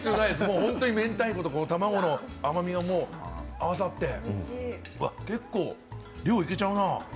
本当に明太子と卵の甘みがもう合わさって、結構量いけちゃうな。